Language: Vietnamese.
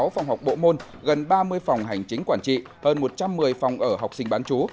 sáu phòng học bộ môn gần ba mươi phòng hành chính quản trị hơn một trăm một mươi phòng ở học sinh bán chú